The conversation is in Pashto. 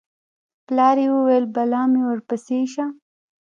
پلار یې وویل: بلا مې ورپسې شه